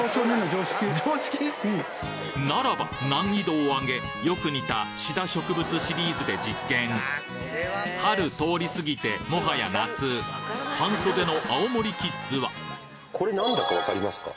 ならば難易度をあげよく似たシダ植物シリーズで実験春通り過ぎてもはや夏これ何だか分かりますか？